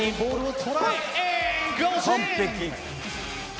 完璧！